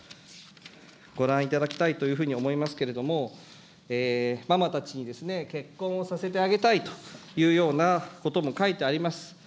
ご覧いただきたいというふうに思いますけれども、ママたちに結婚をさせてあげたいというようなことも書いてあります。